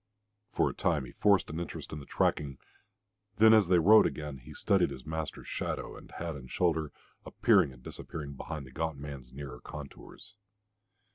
For a time he forced an interest in the tracking. Then, as they rode on again, he studied his master's shadow and hat and shoulder, appearing and disappearing behind the gaunt man's nearer contours.